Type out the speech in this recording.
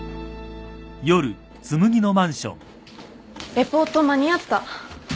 レポート間に合った？